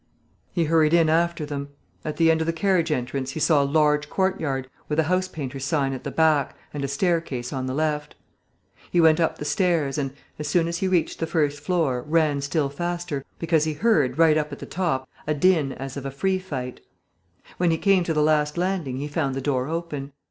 He hurried in after them. At the end of the carriage entrance he saw a large courtyard, with a house painter's sign at the back and a staircase on the left. He went up the stairs and, as soon as he reached the first floor, ran still faster, because he heard, right up at the top, a din as of a free fight. When he came to the last landing he found the door open.